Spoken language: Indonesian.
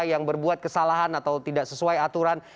yang berbuat kesalahan atau tidak sesuai aturan